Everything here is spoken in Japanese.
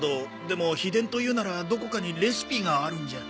でも秘伝というならどこかにレシピがあるんじゃ。